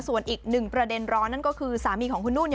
ส่วนอีกนึงประเด็นร้อนั่นก็คือสามีนุ่น